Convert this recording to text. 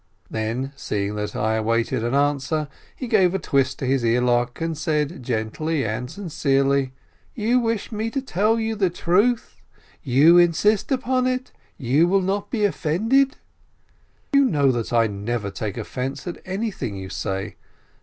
Then, seeing that I awaited an answer, he gave a twist to his earlock, and said gently and sincerely : "You wish me to tell you the truth? You insist upon it? You will not be offended?" "You know that I never take offence at anything you say.